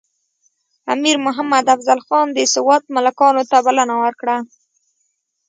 امیر محمد افضل خان د سوات ملکانو ته بلنه ورکړه.